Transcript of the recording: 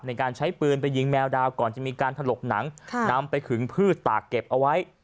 ในการใช้ปืนไปยิงแมวดาวก่อนจะมีการถลกหนังนำไปขึงพืชตากเก็บเอาไว้